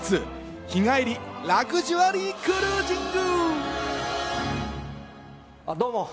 日帰りラグジュアリー・クルージング！